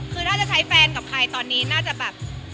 คือถ้าจะใช้แฟนกับใครตอนนี้น่าจะแบบ